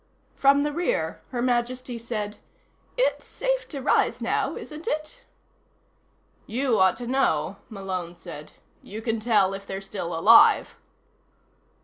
From the rear, Her Majesty said: "It's safe to rise now, isn't it?" "You ought to know," Malone said. "You can tell if they're still alive."